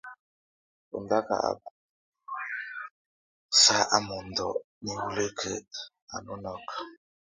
Bondak a bá nʼ amɛ sa a mondo nehulek, a nɔnɔk.